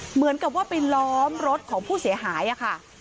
เหมือนกับว่าไปล้อมรถของผู้เสียหายค่ะ